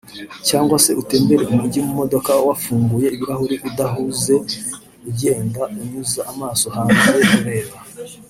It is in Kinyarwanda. cyangwa se utembera umujyi mu modoka wafunguye ibirahure udahuze ugenda unyuza amaso hanze ureba